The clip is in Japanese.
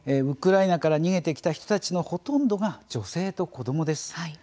ウクライナから逃げてきた人たちのほとんどが女性と子どもです。